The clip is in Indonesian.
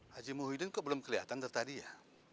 haji muhyiddin kok belum kelihatan ter tadi ya